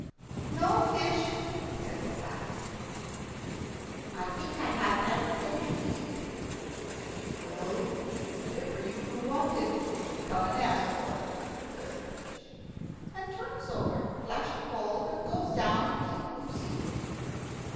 "No, fish," he said at last; "I think I have everything I need," "Well, if ever you do want anything, come and ask for it," says the fish, and turns over, flashing gold, and goes down into the blue sea.